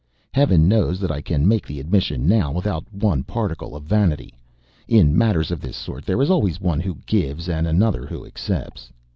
Heaven knows that I can make the admission now without one particle of vanity. In matters of this sort there is always one who gives and another who accepts.